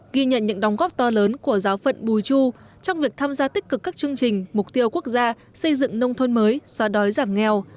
ghi nhận những đóng góp to lớn của giáo phận bùi chu trong việc tham gia tích cực các chương trình mục tiêu quốc gia xây dựng nông thôn mới xóa đói giảm nghèo